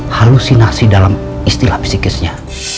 halusinasi dalam istilah psikisnya